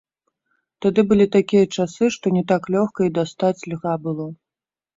Тады былі такія часы, што не так лёгка і дастаць льга было.